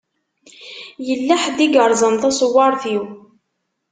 Yella ḥedd i yeṛẓan taṣewaṛt-iw.